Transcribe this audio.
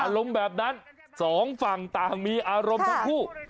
แบบนั้นสองฝั่งต่างมีอารมณ์ทั้งคู่